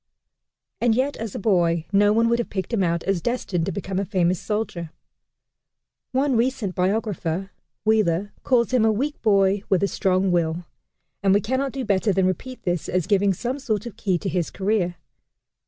And yet, as a boy, no one would have picked him out as destined to become a famous soldier. One recent biographer (Wheeler) calls him "a weak boy with a strong will," and we cannot do better than repeat this as giving some sort of key to his career.